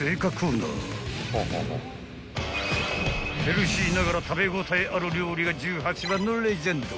［ヘルシーながら食べ応えある料理が十八番のレジェンド］